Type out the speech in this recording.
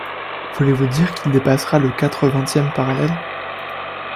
Voulez-vous dire qu’il dépassera le quatre-vingtième parallèle?